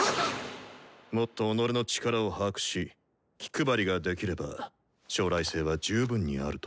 もっと己の力を把握し気配りができれば将来性は十分にあると。